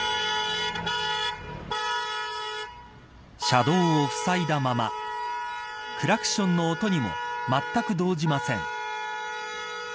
車道をふさいだままクラクションの音にもまったく動じません。